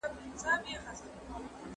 زه کتابونه وړلي دي!!